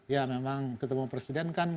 ya memang ketemu presiden kan